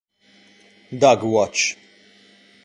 Dog Watch